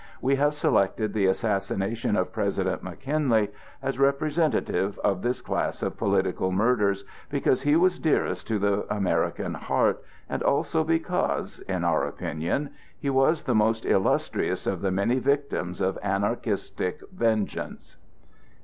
We have selected the assassination of President McKinley as representative of this class of political murders, because he was dearest to the American heart, and also because, in our opinion, he was the most illustrious of the many victims of anarchistic vengeance.